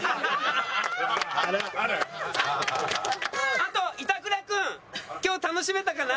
あと板倉君今日楽しめたかな？